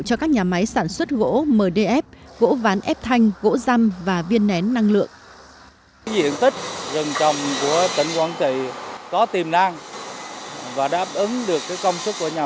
cho các nhà máy sản xuất gỗ mdf gỗ ván ép thanh gỗ răm và viên nén năng lượng